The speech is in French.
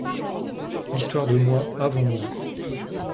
L’histoire de moi avant moi.